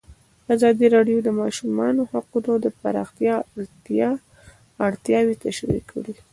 ازادي راډیو د د ماشومانو حقونه د پراختیا اړتیاوې تشریح کړي.